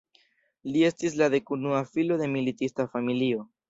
Li estis la dekunua filo de militista familio.